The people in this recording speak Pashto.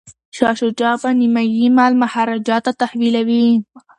شاه شجاع به نیمایي مال مهاراجا ته تحویلوي.